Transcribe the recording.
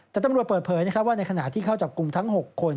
แต่ตำรวจเปิดเผยว่าในขณะที่เข้าจับกลุ่มทั้ง๖คน